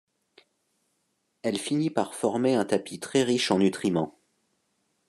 Elle finit par former un tapis très riche en nutriments.